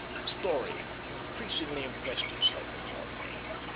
The story increasingly impressed itself upon me.